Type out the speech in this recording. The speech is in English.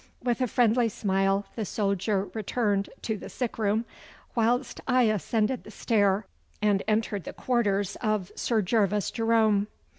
With a friendly smile the soldier returned to the sick room, whilst I ascended the stair and entered the quarters of Sir Gervas Jerome.